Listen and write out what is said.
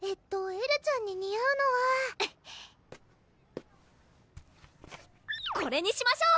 エルちゃんに似合うのはこれにしましょう！